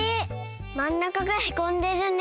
まん中がへこんでるね。